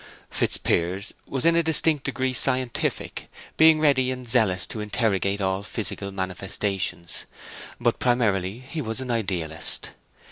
Fitzpiers was in a distinct degree scientific, being ready and zealous to interrogate all physical manifestations, but primarily he was an idealist.